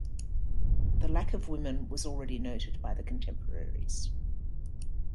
The lack of women was already noted by the contemporaries.